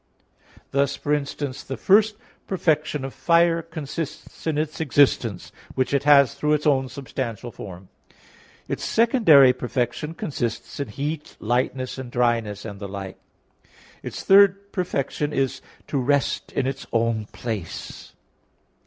Thus, for instance, the first perfection of fire consists in its existence, which it has through its own substantial form; its secondary perfection consists in heat, lightness and dryness, and the like; its third perfection is to rest in its own place.